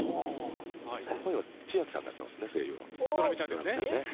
声優は千秋さんがやってますね。